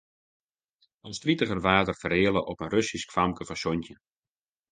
As tritiger waard er fereale op in Russysk famke fan santjin.